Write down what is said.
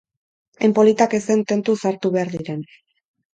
Hain politak ezen tentuz hartu behar diren.